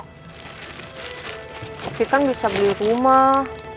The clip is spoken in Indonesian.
tapi kan bisa beli rumah